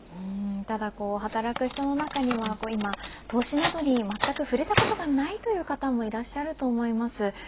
ただ働く人の中には投資などにまったく触れたことのない方もいらっしゃると思います。